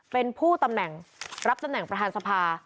เป็นผู้ตำแหน่งรับตำแหน่งประธานสภา